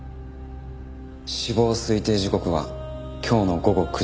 死亡推定時刻は今日の午後９時頃。